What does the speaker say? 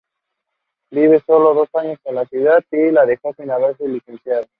Vivió sólo dos años en la ciudad, y la dejó sin haberse licenciado.